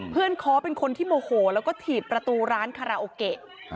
เพื่อนเนคอร์เป็นคนที่โมโหแล้วก็ถีดประตูร้านคาราโอเกะ